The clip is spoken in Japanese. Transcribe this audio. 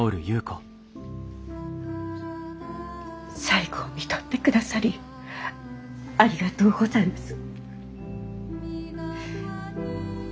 最期をみとってくださりありがとうございます。